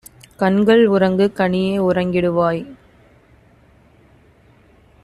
கண்கள் உறங்கு! கனியே உறங்கிடுவாய்!